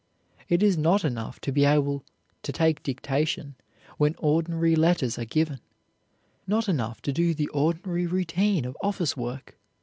It is not enough to be able to take dictation when ordinary letters are given, not enough to do the ordinary routine of office work.